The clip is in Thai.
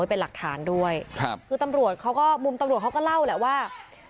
เป็นหลักฐานด้วยครับคือตำรวจเขาก็มุมตำรวจเขาก็เล่าแหละว่า